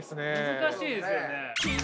難しいですよね。